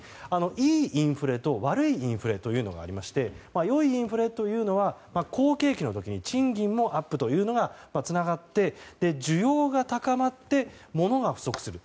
良いインフレと悪いインフレがありまして良いインフレというのは好景気の時に賃金アップにつながって需要が高まって物が不足する。